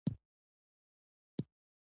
نرسې وویل: نه، هغه هلته کلینیک لري، کار کوي.